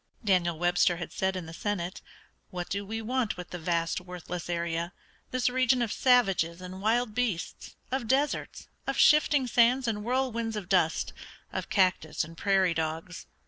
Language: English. Daniel Webster had said in the Senate: "What do we want with the vast, worthless area, this region of savages and wild beasts, of deserts, of shifting sands and whirlwinds of dust, of cactus and prairie dogs?